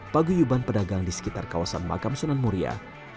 pagi yuban pedagang di sekitar kawasan makam sunan muria